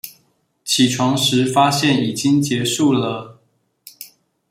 起床時發現已經結束了